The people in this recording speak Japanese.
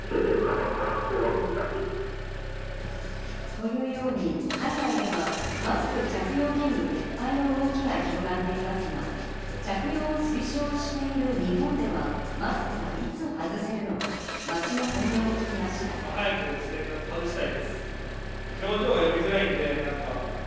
というように海外ではマスク着用義務撤廃の動きが広がっていますが、着用を推奨している日本では、マスクはいつ外せるのか、街の本音を聞きました。